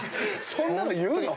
そんなの言うの？